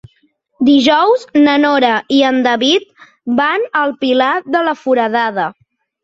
Dijous na Nora i en David van al Pilar de la Foradada.